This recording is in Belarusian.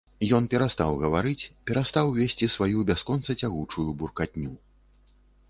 Ён перастаў гаварыць, перастаў весці сваю бясконца цягучую буркатню.